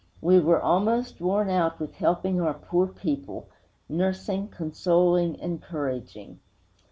We were almost worn out with helping our poor people nursing, consoling, encouraging.